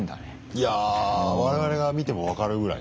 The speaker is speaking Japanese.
いや我々が見ても分かるぐらいね。